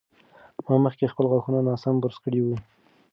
ما مخکې خپل غاښونه ناسم برس کړي وو.